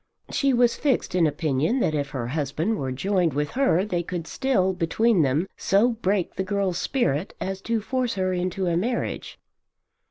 She was fixed in opinion that if her husband were joined with her they could still, between them, so break the girl's spirit as to force her into a marriage.